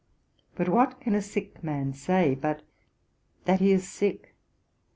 But what can a sick man say, but that he is sick?